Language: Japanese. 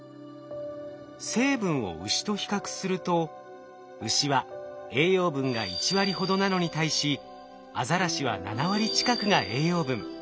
成分をウシと比較するとウシは栄養分が１割ほどなのに対しアザラシは７割近くが栄養分。